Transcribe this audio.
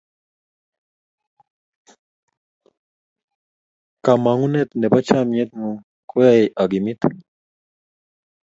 kamangunet nebo chamiet ng'un ko ae agimit